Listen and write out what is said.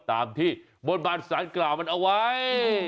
ตามที่บนบานสารกล่าวมันเอาไว้